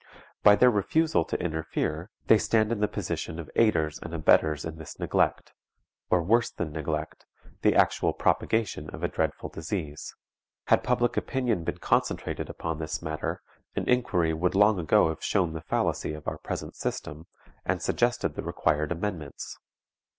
By their refusal to interfere they stand in the position of aiders and abettors in this neglect, or, worse than neglect, the actual propagation of a dreadful disease. Had public opinion been concentrated upon this matter, an inquiry would long ago have shown the fallacy of our present system, and suggested the required amendments.